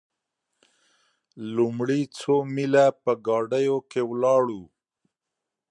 لومړي څو میله په ګاډیو کې ولاړو.